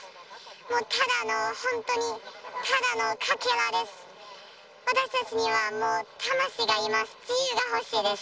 もう、ただの本当に、ただのかけらです。